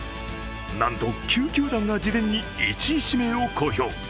なんと９球団が事前に１位指名を公表。